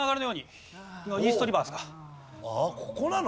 ここなの？